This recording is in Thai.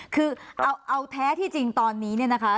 คือเอาแท้ที่จริงตอนนี้เนี่ยนะคะ